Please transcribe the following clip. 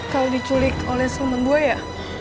kau diculik oleh sumen gue ya